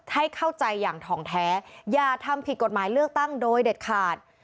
ให้เข้าใจอย่างทองแท้อย่าทำผิดกฎหมายเลือกตั้งโดยเด็ดขาด